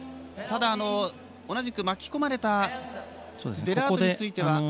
ただ、同じく巻き込まれたデラートについては。